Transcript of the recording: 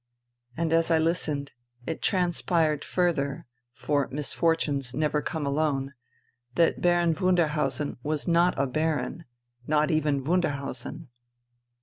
And as I listened, it transpired further — for misfortunes never come alone — that Baron Wunderhausen was not a baron, and not even Wunderhausen.